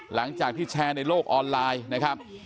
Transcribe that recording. หลังจากที่แชร์ในโลกออนไลน์นะครับ